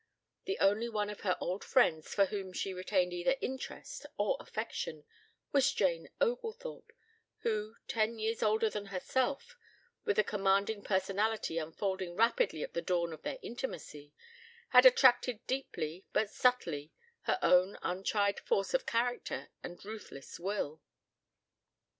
The only one of her old friends for whom she retained either interest or affection was Jane Oglethorpe, who, ten years older than herself, with a commanding personality unfolding rapidly at the dawn of their intimacy, had attracted deeply but subtly her own untried force of character and ruthless will.